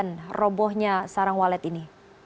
bagaimana kejadian robohnya sarang walet ini